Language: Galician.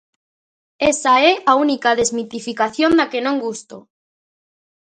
Esa é a única desmitificación da que non gusto.